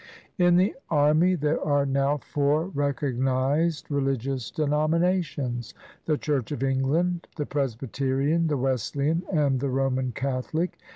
In the army there are now four recognized religious denominations, — the Church of England, the Presby terian, the Wesleyan, and the Roman Catholic.